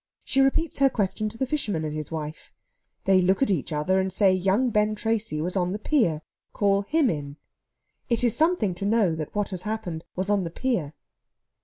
She repeats her question to the fisherman and his wife. They look at each other and say young Ben Tracy was on the pier. Call him in. It is something to know that what has happened was on the pier.